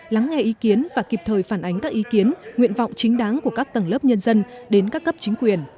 lắng nghe ý kiến và kịp thời phản ánh các ý kiến nguyện vọng chính đáng của các tầng lớp nhân dân đến các cấp chính quyền